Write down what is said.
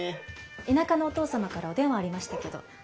田舎のお父様からお電話ありましたけど夕方ごろに。